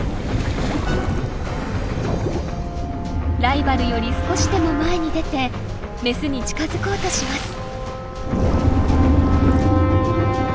ライバルより少しでも前に出てメスに近づこうとします。